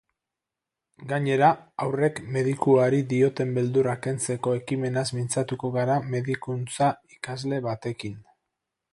Gainera, haurrek medikuari dioten beldurra kentzeko ekimenaz mintzatuko gara medikuntza ikasle batekin.